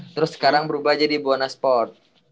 terus sekarang berubah jadi buona sport